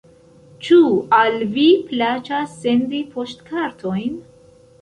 Ĉu al vi plaĉas sendi poŝtkartojn?